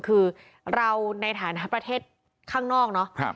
คือเราในฐานะประเทศข้างนอกเนาะ